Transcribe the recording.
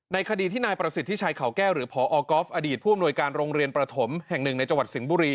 คดีที่นายประสิทธิชัยเขาแก้วหรือพอก๊อฟอดีตผู้อำนวยการโรงเรียนประถมแห่งหนึ่งในจังหวัดสิงห์บุรี